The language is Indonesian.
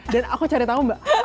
dan aku cari tahu mbak